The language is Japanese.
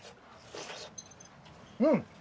うん。